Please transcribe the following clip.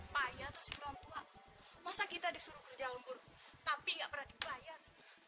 pak ayah itu si berantua masa kita disuruh kerja lombor tapi nggak pernah dibayar